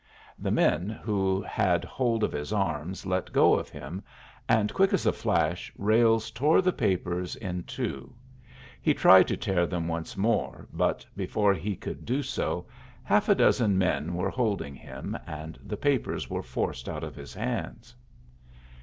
The men who had hold of his arms let go of him, and quick as a flash Ralles tore the papers in two. He tried to tear them once more, but, before he could do so, half a dozen men were holding him, and the papers were forced out of his hands.